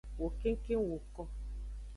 Wo kengkeng woko.